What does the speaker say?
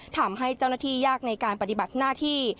ทำให้เจ้าหน้าที่ยากในการปฏิบัติหน้าที่